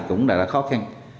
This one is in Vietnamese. cũng là khó khăn